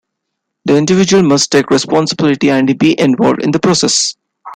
The individual must take responsibility and be involved in the process.